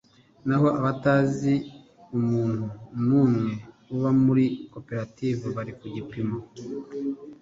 naho abatazi umuntu n umwe uba muri koperative bari ku gipimo